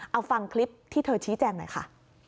เอาฟังคลิปที่เธอชี้แจงหน่อยค่ะ